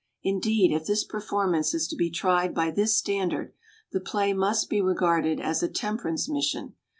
Indeed, if this performance is to be tried by this standard, the play must be regarded as a temperance mission.